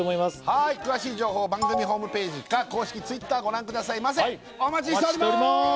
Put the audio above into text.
はーい詳しい情報番組ホームページか公式Ｔｗｉｔｔｅｒご覧くださいませお待ちしております